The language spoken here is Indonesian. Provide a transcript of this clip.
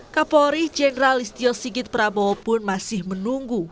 kapolri jenderal istio sigit prabowo pun masih menunggu